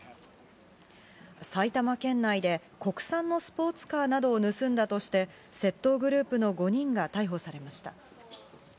埼玉県内で国産のスポーツカーなどを盗んだとして窃盗グループの５人が逮捕されました。